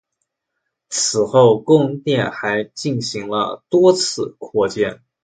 此后宫殿还进行了多次扩建。